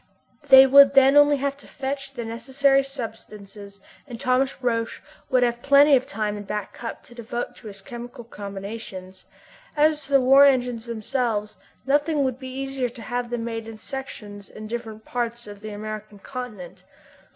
They would then only have to fetch the necessary substances and Thomas Roch would have plenty of time in Back Cup to devote to his chemical combinations. As to the war engines themselves nothing would be easier than to have them made in sections in different parts of the American continent.